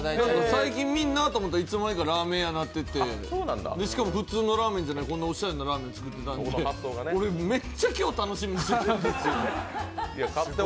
最近、見んなと思ったら、ラーメン屋やっててしかも普通のラーメンじゃなくておしゃれなラーメン作ってたので俺めっちゃ今日楽しみにしてたんですよ。